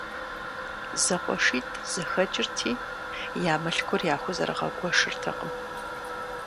ЗэкъуэшитӀ зэхэкӀырти, я мылъкур яхузэрыгъэгуэшыртэкъым.